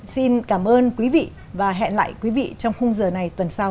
xin cảm ơn quý vị và hẹn lại quý vị trong khung giờ này tuần sau